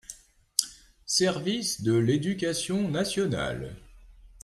service de l'éducation nationale.